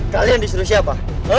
kalian disuruh siapa